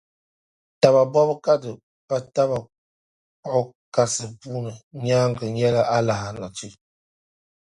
Taba bɔbu ka di pa taba kpuɣi kasi puuni nyaaŋa nyɛla alahachi.